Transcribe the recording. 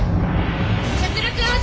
出力よし。